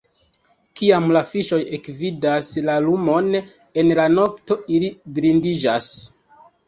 Kiam la fiŝoj ekvidas la lumon en la nokto, ili blindiĝas.